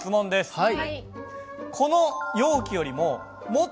はい。